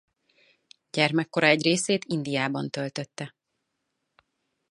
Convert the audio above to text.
Gyermekkora egy részét Indiában töltötte.